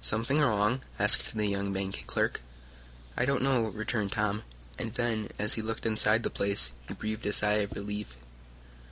"Something wrong?" asked the young bank clerk. "I don't know," returned Tom, and then as he looked inside the place, he breathed a sigh of relief.